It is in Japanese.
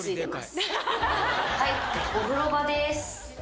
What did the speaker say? はいお風呂場です。